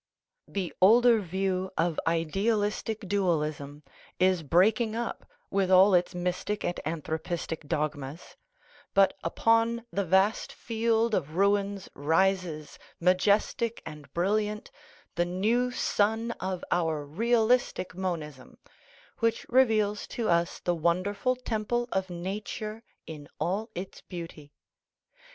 The older view of idealistic dualism is breaking up with all its mystic and anthropistic dogmas ; but upon *> 381 THE RIDDLE OF THE UNIVERSE the vast field of ruins rises, majestic and brilliant, the new sun of our realistic monism, which reveals to us the wonderful temple of nature in all its beauty.